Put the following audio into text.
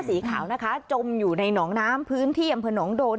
สีขาวนะคะจมอยู่ในหนองน้ำพื้นที่อำเภอหนองโดน